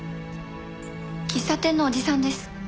喫茶店のおじさんです。